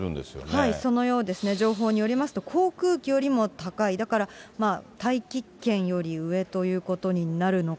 はい、そのようですね、情報によりますと、航空機よりも高い、だから、大気圏より上ということになるのか。